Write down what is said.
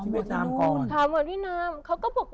ไปหาหมอที่วินามก่อน